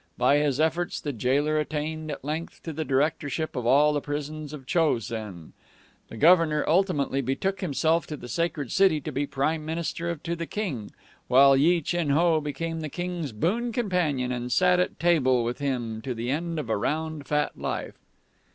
By his efforts the jailer attained at length to the directorship of all the prisons of Cho sen; the Governor ultimately betook himself to the Sacred City to be prime minister to the King, while Yi Chin Ho became the King's boon companion and sat at table with him to the end of a round, fat life.